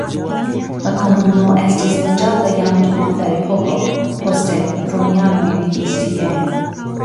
La komunumo estis loĝata jam dum la ferepoko, poste romianoj vivis tie.